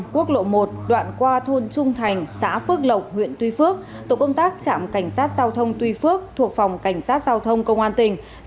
quốc lộ một đoạn qua thôn trung thành xã phước lộc huyện tuy phước tổ công tác trạm cảnh sát giao thông tuy phước thuộc phòng cảnh sát giao thông công an tỉnh